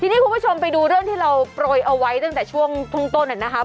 ทีนี้คุณผู้ชมไปดูเรื่องที่เราโปรยเอาไว้ตั้งแต่ช่วงต้นนะครับ